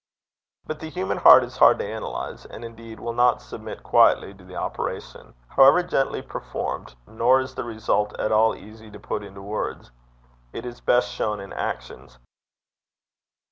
But the human heart is hard to analyze, and, indeed, will not submit quietly to the operation, however gently performed. Nor is the result at all easy to put into words. It is best shown in actions.